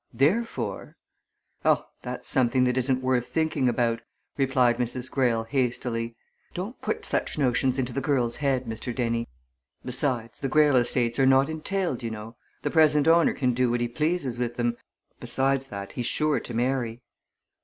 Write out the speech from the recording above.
Therefore " "Oh, that's something that isn't worth thinking about," replied Mrs. Greyle hastily. "Don't put such notions into the girl's head, Mr. Dennie. Besides, the Greyle estates are not entailed, you know. The present owner can do what he pleases with them besides that, he's sure to marry."